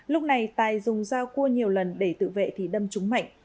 lúc này tài dùng dao cua nhiều lần để tự vệ thì đâm trúng mạnh